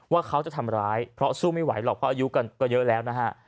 ว่าเขาจะทำร้ายเพราะสู้ไม่ไหวหรอกเพราะอายุก็เยอะแล้วนะฮะ